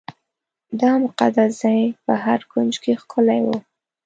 دا مقدس ځای په هر کونج کې ښکلی و.